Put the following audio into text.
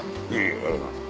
ありがとうございます。